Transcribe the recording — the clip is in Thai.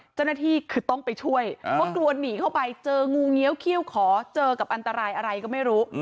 เจ้าหน้าที่คือต้องไปช่วยเพราะกลัวหนีเข้าไปเจองูเงี้ยวเขี้ยวขอเจอกับอันตรายอะไรก็ไม่รู้